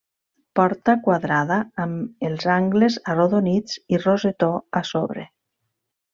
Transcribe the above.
Porta quadrada, amb els angles arrodonits i rosetó a sobre.